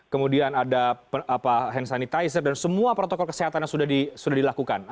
kemudian ada hand sanitizer dan semua protokol kesehatan yang sudah dilakukan